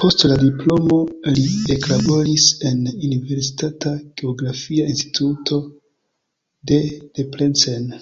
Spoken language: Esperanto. Post la diplomo li eklaboris en universitata geografia instituto de Debrecen.